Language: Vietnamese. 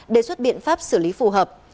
đề xuất biện pháp xử lý phù hợp